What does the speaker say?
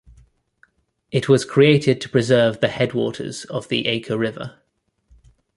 It was created to preserve the headwaters of the Acre River.